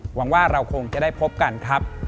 หวังว่าเราคงจะได้พบกันครับ